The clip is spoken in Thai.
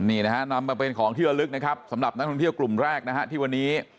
นี่นะฮะนำมาเป็นของที่ระลึกนะครับสำหรับนักท่องเที่ยวกลุ่มแรกนะฮะที่วันนี้